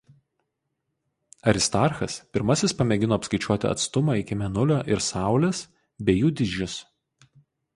Aristarchas pirmasis pamėgino apskaičiuoti atstumą iki Mėnulio ir Saulės bei jų dydžius.